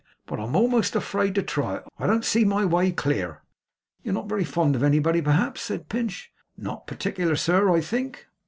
But I'm a'most afraid to try it. I don't see my way clear.' 'You're not very fond of anybody, perhaps?' said Pinch. 'Not particular, sir, I think.